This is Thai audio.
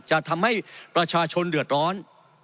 จะทำให้ประชาชนเดือดร้อน